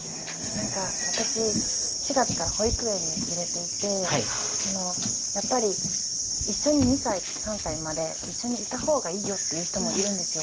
何か私４月から保育園に入れていてやっぱり一緒に２歳３歳まで一緒にいた方がいいよっていう人もいるんですよ。